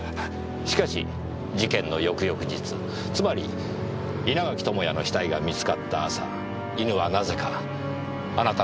しかし事件の翌々日つまり稲垣智也の死体が見つかった朝犬はなぜかあなたのアパートで保護されました。